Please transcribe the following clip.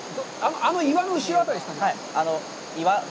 あの岩の後ろ辺りで。